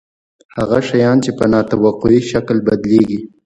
هغه شیان په نا توقعي شکل بدلیږي.